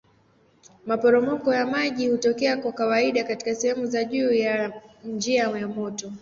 Maporomoko ya maji hutokea kwa kawaida katika sehemu za juu ya njia ya mto.